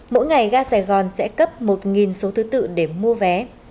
mỗi ngày ga sài gòn sẽ cấp một số thứ tự để mua vé